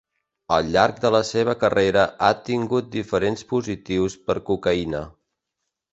Al llarg de la seva carrera ha tingut diferents positius per cocaïna.